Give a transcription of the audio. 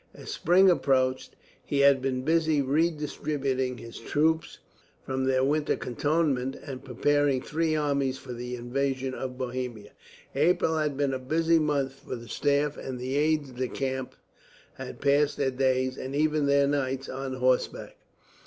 As spring approached, he had been busy redistributing his troops from their winter cantonment, and preparing three armies for the invasion of Bohemia. April had been a busy month for the staff, and the aides de camp had passed their days, and even their nights, on horseback.